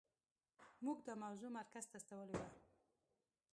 موږ دا موضوع مرکز ته استولې وه.